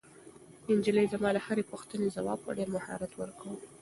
نجلۍ زما د هرې پوښتنې ځواب په ډېر مهارت ورکاوه.